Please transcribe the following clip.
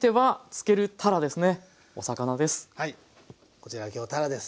こちら今日たらです。